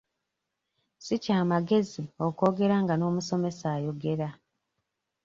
Si kya magezi okwogera nga n'omusomesa ayogera.